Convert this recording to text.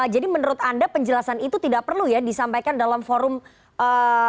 jadi menurut anda penjelasan itu tidak perlu ya disampaikan dalam forum interprensa